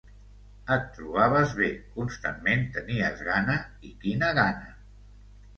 Et trobaves bé, constantment tenies gana i quina gana